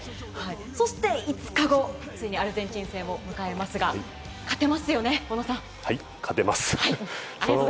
そして５日後、ついにアルゼンチン戦を迎えますがはい、勝てます。